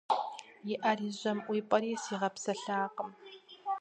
И Ӏэр и жьэм ӀуипӀэри сигъэпсэлъакъым.